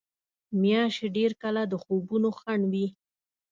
غوماشې ډېر کله د خوبونو خنډ وي.